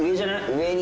上に。